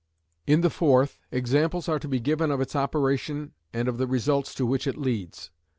In the fourth, examples are to be given of its operation and of the results to which it leads.